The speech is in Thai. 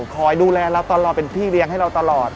คอยดูแลเราตอนเราเป็นพี่เลี้ยงให้เราตลอด